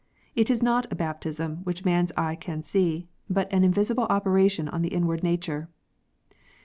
It is not a baptism which man s eye can see, but an invisible operation on the inward nature.